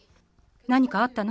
何かあったの？